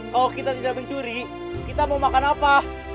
kalau kita tidak mencuri kita mau makan apa